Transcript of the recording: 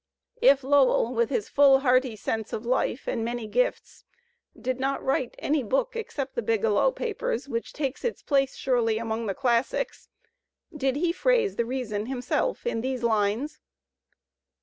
If Lowell, with his full, hearty sense of life and many gifts, did not write any book (except "The Biglow Papers") which takes its place surely among the classics, did he phrase, the reason himself in these lines?